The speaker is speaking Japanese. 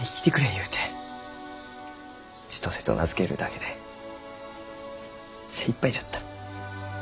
「千歳」と名付けるだけで精いっぱいじゃった。